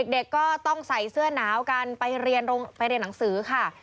เด็กก็ต้องใส่เสื้อหนาวกันไปเรียนไปเรียนหนังสือค่ะ